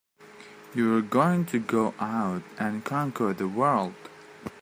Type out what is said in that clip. You were going to go out and conquer the world!